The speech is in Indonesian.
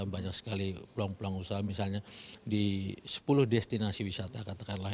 banyak sekali peluang peluang usaha misalnya di sepuluh destinasi wisata katakanlah